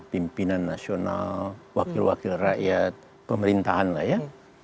pimpinan nasional wakil wakil rakyat pemerintahan lah ya